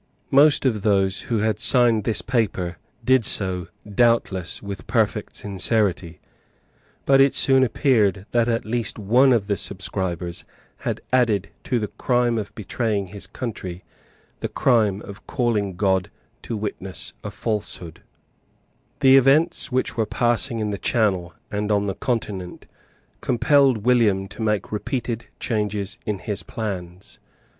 Most of those who signed this paper did so doubtless with perfect sincerity: but it soon appeared that one at least of the subscribers had added to the crime of betraying his country the crime of calling God to witness a falsehood, The events which were passing in the Channel and on the Continent compelled William to make repeated changes in his plans.